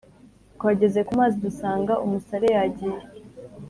Twageze ku mazi dusanga umusare yagiye